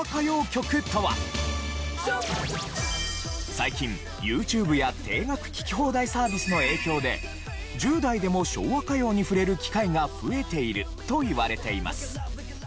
最近ＹｏｕＴｕｂｅや定額聴き放題サービスの影響で１０代でも昭和歌謡に触れる機会が増えているといわれています。